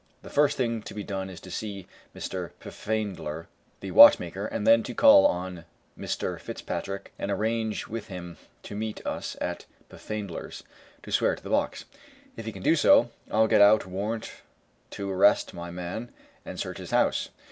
The first thing to be done is to see Mr. Pfaendler, the watchmaker, and then to call on Mr. Fitzpatrick and arrange with him to meet us at Pfaendler's, to swear to the box. If he can do so, I'll get out a warrant to arrest my man, and search his house."